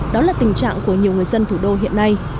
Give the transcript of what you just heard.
đó là tình trạng của nhiều người dân thủ đô hiện nay